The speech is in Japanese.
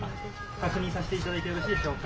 確認させていただいてよろしいでしょうか。